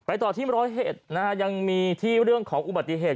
ต่อที่ร้อยเอ็ดนะฮะยังมีที่เรื่องของอุบัติเหตุ